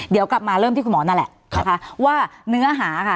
เดี๋ยวกลับมาเริ่มที่คุณหมอนั่นแหละนะคะว่าเนื้อหาค่ะ